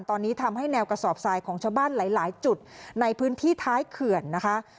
ตอนนี้ทำให้แนวกระสอบทรายของชาวบ้านหลายจุดในพื้นที่ท้ายเขื่อนนะคะ